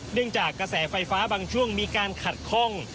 จากกระแสไฟฟ้าบางช่วงมีการขัดข้อง